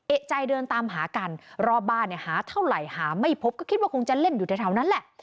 เอกใจเดินตามหากันรอบบ้านเนี่ยหาเท่าไหร่หาไม่พบก็คิดว่าคงจะเล่นอยู่แถวนั้นแหละ